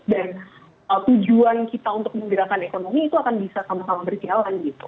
dan tujuan kita untuk menggerakkan ekonomi itu akan bisa sama sama berjalan